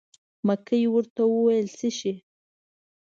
مکۍ ورته وویل: څه شی.